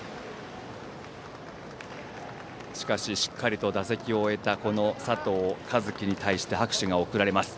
しかし、しっかりと打席を終えた佐藤和樹に対して拍手が送られます。